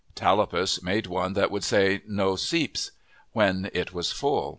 Tallapus made one that would say "Noseepsk" when it was full.